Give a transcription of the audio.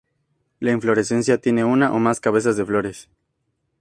La inflorescencia tiene una o más cabezas de flores.